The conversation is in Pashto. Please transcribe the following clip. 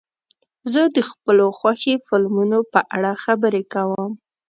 زه د خپلو خوښې فلمونو په اړه خبرې کوم.